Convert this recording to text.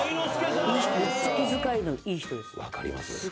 分かります。